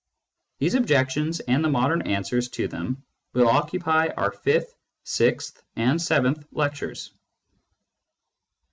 These objections and the modern answers to them will occupy our fifth, sixth, and seventh lectures.